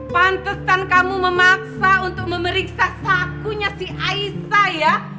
pantesan kamu memaksa untuk memeriksa saku si aisyah ya